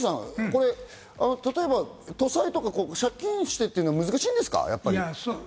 例えば借金してというのは難しいんですか？